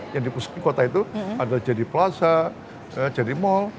yang di pusat kota itu ada jadi plaza jadi mal